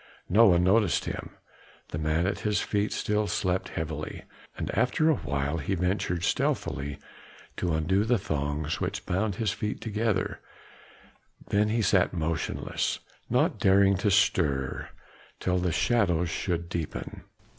No one noticed him; the man at his feet still slept heavily; and after awhile he ventured stealthily to undo the thongs which bound his feet together; then he sat motionless, not daring to stir till the shadows should deepen.